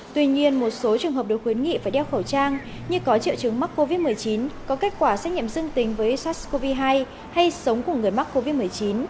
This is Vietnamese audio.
tuy nhiên một số trường hợp được khuyến nghị phải đeo khẩu trang như có triệu chứng mắc covid một mươi chín có kết quả xét nghiệm dương tính với sars cov hai hay sống của người mắc covid một mươi chín